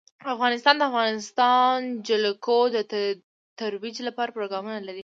افغانستان د د افغانستان جلکو د ترویج لپاره پروګرامونه لري.